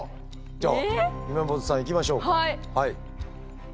じゃあゆめぽてさんいきましょうか。